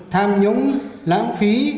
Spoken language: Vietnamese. tham nhũng lãng phí